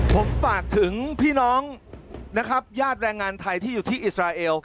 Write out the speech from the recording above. ผมฝากถึงพี่น้องนะครับญาติแรงงานไทยที่อยู่ที่อิสราเอล